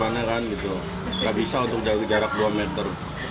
nggak bisa untuk jarak dua meter